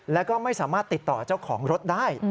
แล้วก็ไม่สามารถติดต่อเจ้าของรถได้